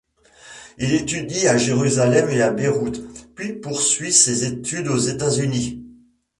Il étudie à Jérusalem et à Beyrouth, puis poursuit ses études aux États-Unis.